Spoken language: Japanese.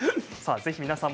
ぜひ皆さんも